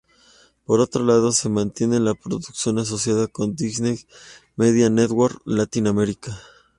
Por otro lado, se mantiene la producción asociada con Disney Media Networks Latin America.